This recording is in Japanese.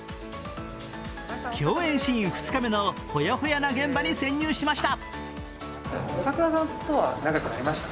共演シーン２日目のほやほやな現場に潜入しました。